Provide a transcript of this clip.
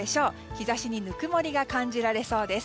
日差しにぬくもりが感じられそうです。